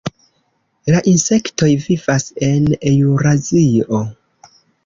La insektoj vivas en Eŭrazio.